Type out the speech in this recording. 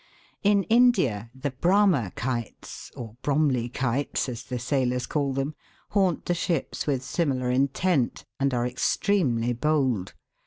In India, the Bramah kites, or " Bromley kites," as the sailors call them, haunt the ships with similar intent, and are extremely bold.